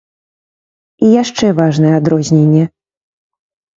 І яшчэ важнае адрозненне.